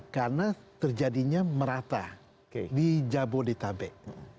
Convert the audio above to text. karena terjadinya merata di jabodetabek